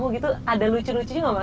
bukan hanya dan juga